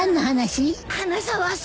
花沢さん！？